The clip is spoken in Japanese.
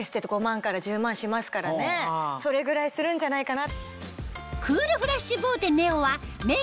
しますからそれぐらいするんじゃないかな？